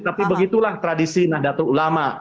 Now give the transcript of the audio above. tapi begitulah tradisi nahdlatul ulama